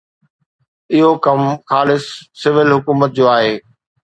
اهو ڪم خالص سول حڪومت جو آهي.